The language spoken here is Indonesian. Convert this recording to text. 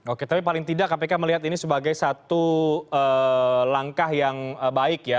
oke tapi paling tidak kpk melihat ini sebagai satu langkah yang baik ya